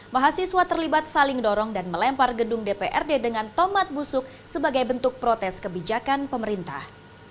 mahasiswa terlibat saling dorong dan melempar gedung dprd dengan tomat busuk sebagai bentuk protes kebijakan pemerintah